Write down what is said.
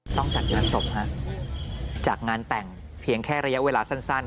ต้องจัดงานศพฮะจากงานแต่งเพียงแค่ระยะเวลาสั้น